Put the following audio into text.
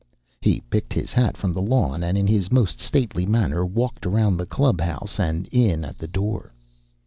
He picked his hat from the lawn, and in his most stately manner walked around the club house and in at the door.